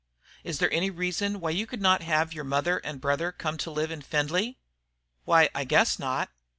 "Is there any reason why you could not have your mother and brother come to live in Findlay?" "Why, I guess not."